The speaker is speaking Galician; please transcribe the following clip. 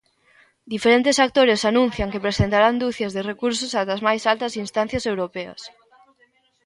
Diferentes actores anuncian que presentarán ducias de recursos ata as máis altas instancias europeas.